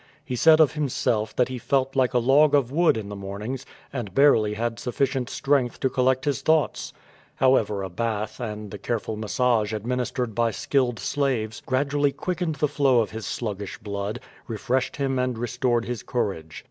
He said of himself that he felt like a log of wood in the morn ings^ and barely had sufficient strength to collect his thoughts. However^ a bath and the careful massage admin istered by skilled slaves gradually quickened the flow of hid sluggish bloody refreshed him and restored his courage.